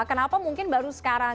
kenapa mungkin baru sekarang